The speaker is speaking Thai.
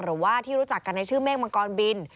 หรือว่าที่รู้จักกันในชื่อเมฆมังกรบิน